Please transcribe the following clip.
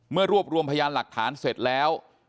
รวบรวมพยานหลักฐานเสร็จแล้ว